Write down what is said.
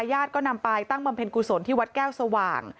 ญาติก็นำไปตั้งบำเพ็ญกุศลที่วัดแก้วสว่าง